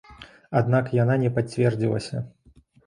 Аднак яна не пацвердзілася.